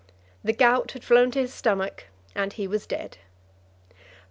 The gout had flown to his stomach, and he was dead.